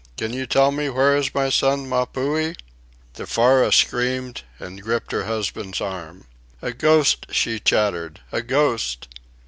"Can you tell me where is my son, Mapuhi?" Tefara screamed and gripped her husband's arm. "A ghost!" she chattered. "A ghost!"